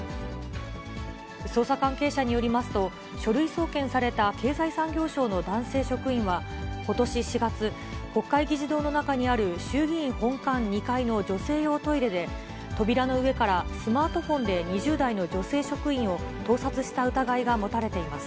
捜査関係者によりますと、書類送検された経済産業省の男性職員は、ことし４月、国会議事堂の中にある衆議院本館２階の女性用トイレで、扉の上からスマートフォンで２０代の女性職員を盗撮した疑いが持たれています。